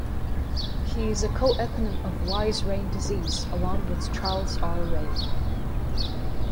He is a co-eponym of Wise-Rein disease along with Charles R. Rein.